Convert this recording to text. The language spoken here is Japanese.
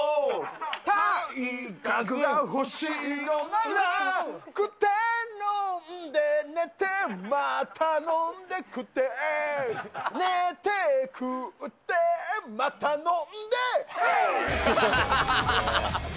体格が欲しいのなら、食って飲んで寝てまた飲んで食って、寝て食って、また飲んで、ヘイ！